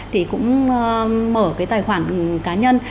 thì cũng mở cái tài khoản cá nhân